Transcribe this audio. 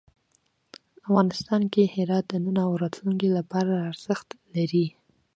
افغانستان کې هرات د نن او راتلونکي لپاره ارزښت لري.